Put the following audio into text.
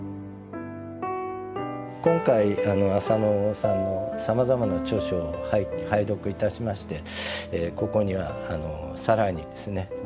今回浅野さんのさまざまな著書を拝読いたしましてここには更にですね